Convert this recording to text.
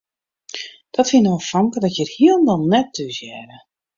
Dat wie no in famke dat hjir hielendal net thúshearde.